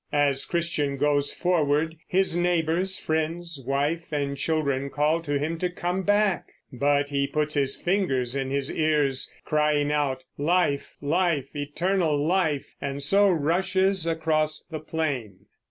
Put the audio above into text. As Christian goes forward his neighbors, friends, wife and children call to him to come back; but he puts his fingers in his ears, crying out, "Life, life, eternal life," and so rushes across the plain.